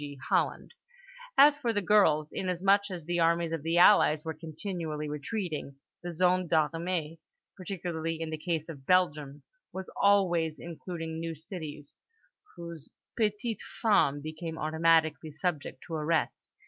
g. Holland); as for the girls, inasmuch as the armies of the Allies were continually retreating, the zone des armées (particularly in the case of Belgium) was always including new cities, whose petites femmes became automatically subject to arrest.